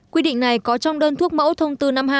quy định này có trong đơn thuốc mẫu thông tư năm mươi hai